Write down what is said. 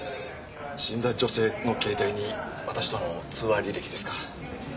死んだ女性の携帯に私との通話履歴ですか。